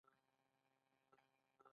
دا عملیه د دولت د دارایۍ تعین اسانه کوي.